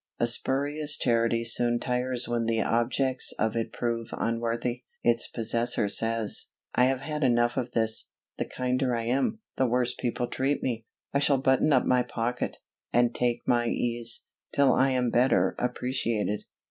A spurious Charity soon tires when the objects of it prove unworthy. Its possessor says: "I have had enough of this; the kinder I am, the worse people treat me. I shall button up my pocket, and take my ease, till I am better appreciated."